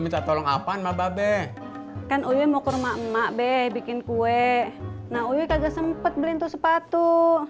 minta tolong apaan mbak be kan uy mokor emak emak be bikin kue nah uy kagak sempet beli itu sepatu